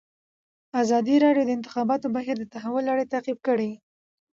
ازادي راډیو د د انتخاباتو بهیر د تحول لړۍ تعقیب کړې.